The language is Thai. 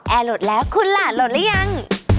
แอร์โหลดแล้วคุณล่ะโหลดแล้วยัง